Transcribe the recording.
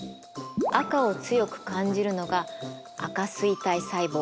赤を強く感じるのが赤錐体細胞。